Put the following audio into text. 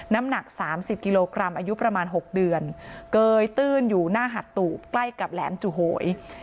น้ำหนัก๓๐กิโลกรัมอายุประมาณ๖เดือนเกยตื้นอยู่หน้าหัดตูบใกล้กับแหลมจุโหย